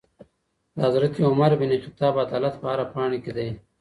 د حضرت عمر بن خطاب عدالت په هره پاڼې کي دی.